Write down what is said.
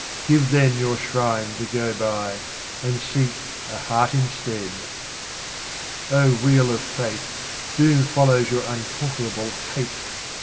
Give then your shrine the go by, and seek a heart instead. O WHEEL of fate, doom follows your uncon querable hate.